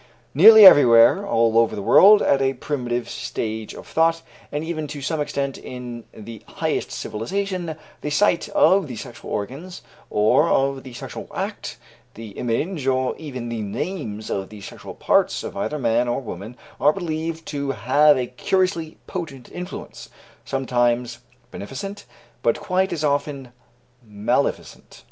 Nearly everywhere all over the world at a primitive stage of thought, and even to some extent in the highest civilization, the sight of the sexual organs or of the sexual act, the image or even the names of the sexual parts of either man or woman, are believed to have a curiously potent influence, sometimes beneficent, but quite as often maleficent.